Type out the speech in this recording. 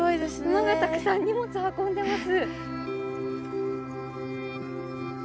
馬がたくさん荷物運んでます。